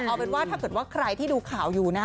เอาเป็นว่าถ้าเกิดว่าใครที่ดูข่าวอยู่นะ